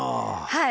はい。